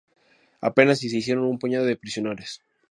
Apenas sí se hicieron un puñado de prisioneros.